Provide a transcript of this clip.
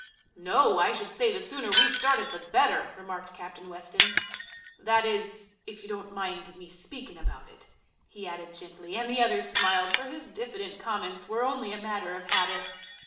"No; I should say the sooner we started the better," remarked Captain Weston. "That is, if you don't mind me speaking about it," he added gently, and the others smiled, for his diffident comments were only a matter of habit.